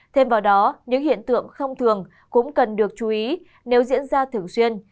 thêm vào đó những hiện tượng không thường cũng cần được chú ý nếu diễn ra thường xuyên